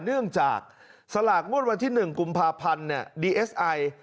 เนื่องจากสลากงวดวันที่๑กุมภาพันธ์ดีเอสไอ